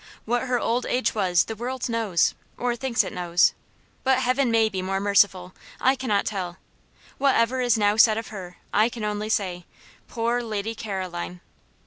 What her old age was the world knows, or thinks it knows. But Heaven may be more merciful I cannot tell. Whatever is now said of her, I can only say, "Poor Lady Caroline!"